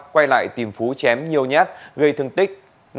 quay lại tìm phú chém nhiều nhát gây thương tích năm năm mươi bảy